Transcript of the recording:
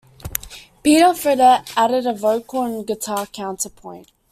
Peter Fredette added a vocal and guitar counterpoint.